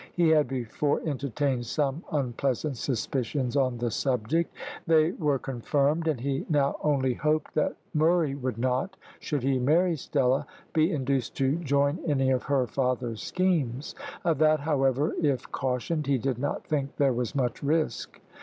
He had before entertained some unpleasant suspicions on the subject. They were confirmed, and he now only hoped that Murray would not, should he marry Stella, be induced to join any of her father's schemes. Of that, however, if cautioned, he did not think there was much risk.